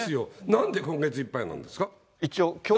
なんで今月いっぱいなんですか。